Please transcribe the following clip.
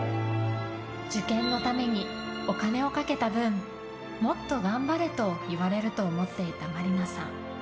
受験のためにお金をかけた分もっと頑張れと言われると思っていた真里奈さん。